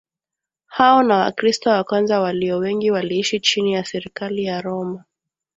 Hao na Wakristo wa kwanza walio wengi waliishi chini ya serikali ya Roma